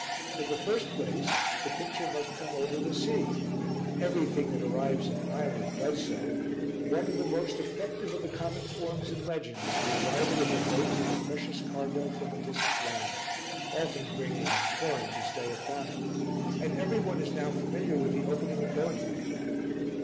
In the first place the picture must come over the sea everything that arrives in an island does so; one of the most effective of the common forms in legend is the arrival of a boat with a precious cargo from a distant land, often bringing corn to stay a famine, and every one is now familiar with the opening of Lohengrin.